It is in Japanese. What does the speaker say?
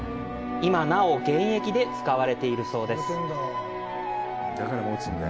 今なお現役で使われているそうです。